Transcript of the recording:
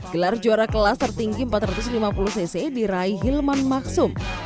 gelar juara kelas tertinggi empat ratus lima puluh cc diraih hilman maksum